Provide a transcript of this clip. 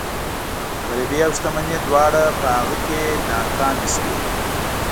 غريبي او شتمني دواړه په هغه کې ناکامې شوي.